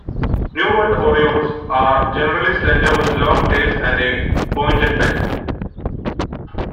New World orioles are generally slender with long tails and a pointed bill.